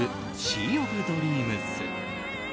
シー・オブ・ドリームス」。